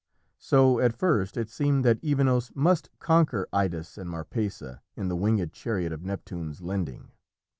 So at first it seemed that Evenos must conquer Idas and Marpessa in the winged chariot of Neptune's lending.